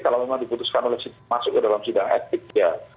kalau memang diputuskan masuk ke dalam sidang etik ya